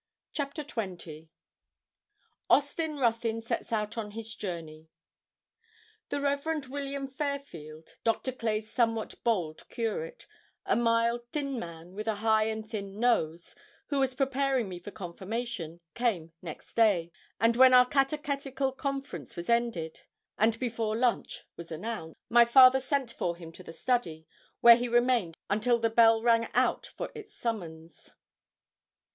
CHAPTER XX AUSTIN RUTHYN SETS OUT ON HIS JOURNEY The Rev. William Fairfield, Doctor Clay's somewhat bald curate, a mild, thin man, with a high and thin nose, who was preparing me for confirmation, came next day; and when our catechetical conference was ended, and before lunch was announced, my father sent for him to the study, where he remained until the bell rang out its summons.